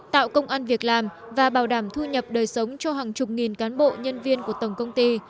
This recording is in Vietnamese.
tạo công an việc làm và bảo đảm thu nhập đời sống cho hàng chục nghìn cán bộ nhân viên của tổng công ty